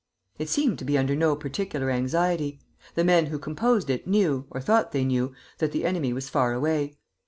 It seemed to be under no particular anxiety. The men who composed it knew, or thought they knew, that the enemy was far away.